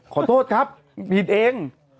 ขอโทษครับผิดเอง